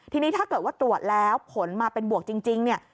ทีนี้ถ้าเกิดว่าตรวจแล้วผลมาเป็นบวกจริงเนี่ย